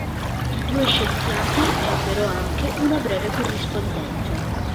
I due scienziati ebbero anche una breve corrispondenza.